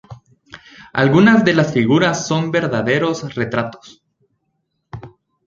Algunas de las figuras son verdaderos retratos.